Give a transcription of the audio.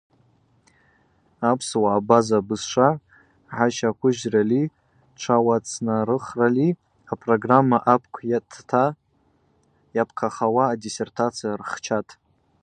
Апсуа-абаза бызшва гӏащаквыжьрали тшауацӏнарыхрали апрограмма апкъ йтата йапхъахауа адиссертация рхчатӏ.